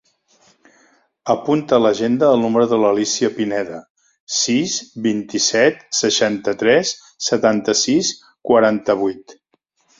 Apunta a l'agenda el número de l'Alícia Pineda: sis, vint-i-set, seixanta-tres, setanta-sis, quaranta-vuit.